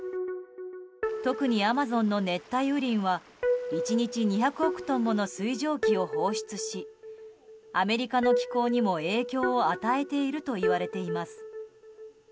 特に、アマゾンの熱帯雨林は１日２００億トンもの水蒸気を放出しアメリカの気候にも、影響を与えているといわれています。